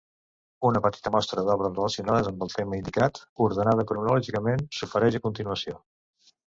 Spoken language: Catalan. Una petita mostra d’obres relacionades amb el tema indicat, ordenada cronològicament, s’ofereix a continuació.